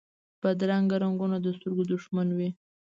بدرنګه رنګونه د سترګو دشمن وي